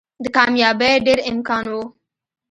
د کاميابۍ ډېر امکان وو